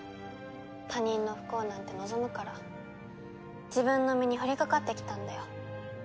他人の不幸なんて望むから自分の身に降りかかってきたんだよ。